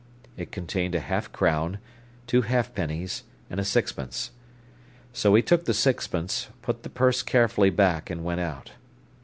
It contained a half crown, two halfpennies, and a sixpence. So he took the sixpence, put the purse carefully back, and went out.